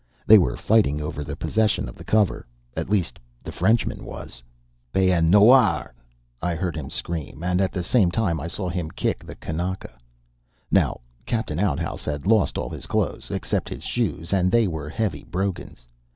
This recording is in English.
They were fighting over the possession of the cover at least, the Frenchman was. "Paien noir!" I heard him scream, and at the same time I saw him kick the kanaka. Now, Captain Oudouse had lost all his clothes, except his shoes, and they were heavy brogans.